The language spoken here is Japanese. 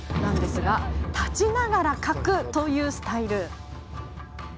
しかも立ちながら書くというスタイル。